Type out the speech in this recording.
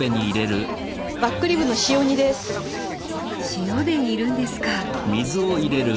塩で煮るんですか。